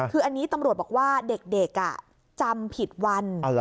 คืออันนี้ตำรวจบอกว่าเด็กจำผิดวัน